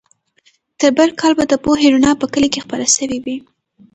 تر بل کال به د پوهې رڼا په کلي کې خپره سوې وي.